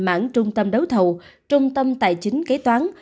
mảng trung tâm đấu thầu trung tâm tài chính kế toán